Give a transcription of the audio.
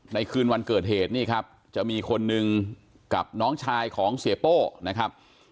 คืนวันเกิดเหตุนี่ครับจะมีคนนึงกับน้องชายของเสียโป้นะครับ